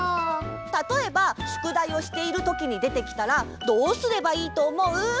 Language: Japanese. たとえばしゅくだいをしているときにでてきたらどうすればいいとおもう？